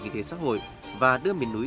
kinh tế xã hội và đưa miền núi